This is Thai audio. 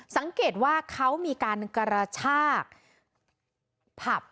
สังเกตว่าเขามีการกระชากผับ